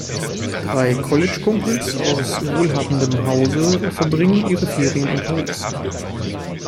Drei College-Kumpels aus wohlhabendem Hause verbringen ihre Ferien in Paris.